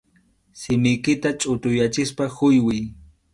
Simiykita chʼutuyachispa huywiy.